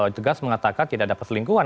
tegas mengatakan tidak ada perselingkuhan